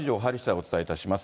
お伝えいたします。